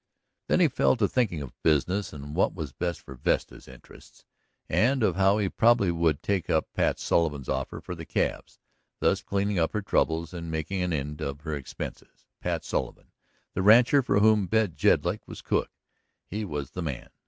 Then he fell to thinking of business, and what was best for Vesta's interests, and of how he probably would take up Pat Sullivan's offer for the calves, thus cleaning up her troubles and making an end of her expenses. Pat Sullivan, the rancher for whom Ben Jedlick was cook; he was the man.